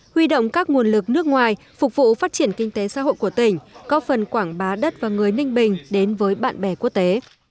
huy động các nguồn lực nước ngoài phục vụ phát triển kinh tế xã hội của tỉnh có phần quảng bá đất và người ninh bình đến với bạn bè quốc tế